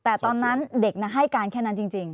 แต่ตอนนั้นเด็กให้การแค่นั้นจริง